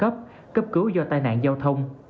trường hợp khẩn cấp cấp cứu do tai nạn giao thông